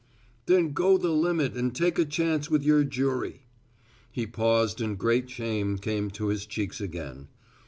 "Then go the limit and take a chance with your jury." He paused and great shame came to his cheeks again.